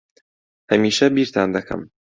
ھەمیشە بیرتان دەکەم.